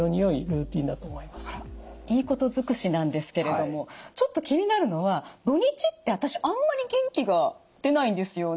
いいこと尽くしなんですけれどもちょっと気になるのは土日って私あんまり元気が出ないんですよね。